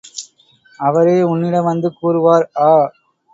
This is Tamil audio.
அவரே உன்னிடம் வந்து கூறுவார்! ஆ!